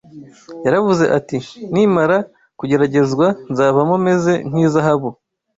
Yaravuze ati: Nimara kugeragezwa, nzavamo meze nk’izahabu